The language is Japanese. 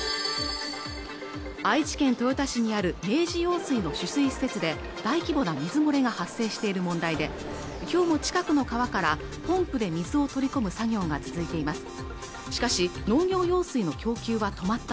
愛知県豊田市にある明治用水の取水施設で大規模な水漏れが発生している問題で今日も近くの川からポンプで水を取り込む作業が続いています